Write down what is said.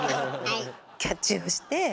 キャッチをして。